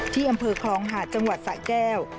ที่อำเภอคลองหาดจังหวัดสะแก้ว